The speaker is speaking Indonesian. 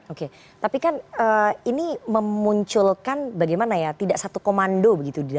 oke tapi kan ini memunculkan bagaimana ya tidak satu komando begitu di dalam barisan partai gerindra